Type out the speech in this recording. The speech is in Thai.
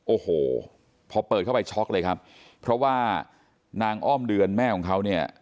โอ้โหพอเปิดเข้าไปช็อกเลยครับเพราะว่านางอ้อมเดือนแม่ของเขาเนี่ย